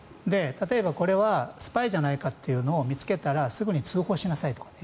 例えばこれはスパイじゃないかというのを見つけたらすぐに通報しなさいと。